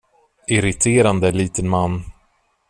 Irriterande liten man.